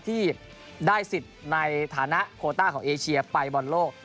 ที่ได้สิทธิ์ในฐานะโคต้าของเอเชียไปบอลโลก